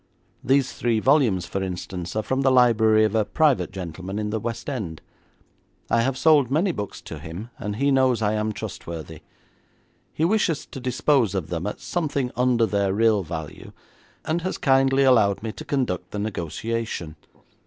These three volumes, for instance, are from the library of a private gentleman in the West End. I have sold many books to him, and he knows I am trustworthy. He wishes to dispose of them at something under their real value, and has kindly allowed me to conduct the negotiation.